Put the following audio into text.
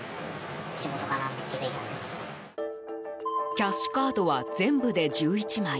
キャッシュカードは全部で１１枚。